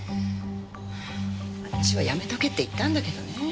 私はやめとけって言ったんだけどね。